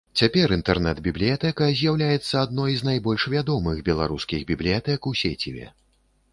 Цяпер інтэрнэт-бібліятэка з'яўляецца адной з найбольш вядомых беларускіх бібліятэк у сеціве.